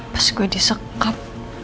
pas gue disekap